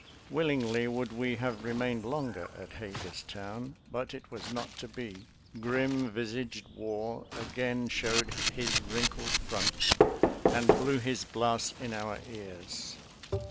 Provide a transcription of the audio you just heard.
Willingly would we have remained longer at Hagerstown, but it was not to be. " Grim visaged war " again showed " his wrinkled front," and blew his blasts in our ears.